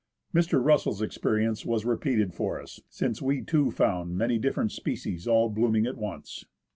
Mr. Russell's experience was repeated for us, since we too found many different species all blooming at once.